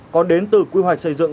còn đến từ quy hoạch xây dựng